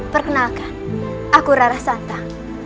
perkenalkan aku rara santang